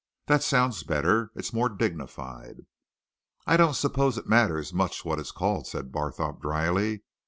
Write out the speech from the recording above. That sounds better it's more dignified." "I don't suppose it matters much what it's called," said Barthorpe drily.